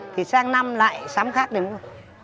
thì sang năm lại sáng khác đi múa